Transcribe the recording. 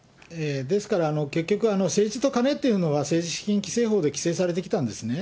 ですから、結局、政治と金っていうのは、政治資金規正法で規制されてきたんですね。